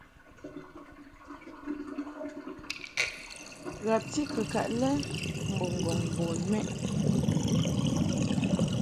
Ghabti kɨkaʼ lɛ mbo ŋgɔŋ bun mɛʼ.